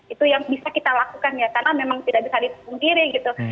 itu yang bisa kita lakukan ya karena memang tidak bisa dipungkiri gitu